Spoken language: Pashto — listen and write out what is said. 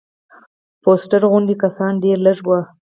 فوسټر غوندې کسان ډېر لږ وو.